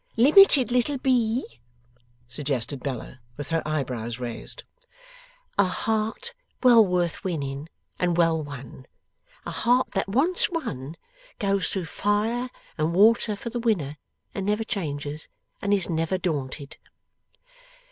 'Limited little b?' suggested Bella with her eyebrows raised. 'A heart well worth winning, and well won. A heart that, once won, goes through fire and water for the winner, and never changes, and is never daunted.